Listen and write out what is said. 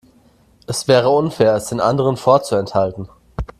Es wäre unfair, es den anderen vorzuenthalten.